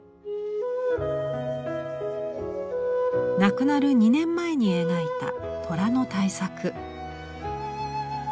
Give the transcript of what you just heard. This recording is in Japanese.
亡くなる２年前に描いた虎の大作。